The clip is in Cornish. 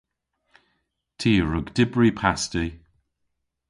Ty a wrug dybri pasti.